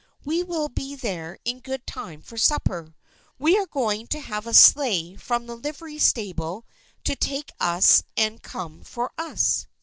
"We will be there in good time for supper. We are going to have a sleigh from the livery stable to take us and come for us."